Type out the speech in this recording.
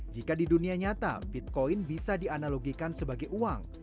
jika di dunia nyata bitcoin bisa dianalogikan sebagai uang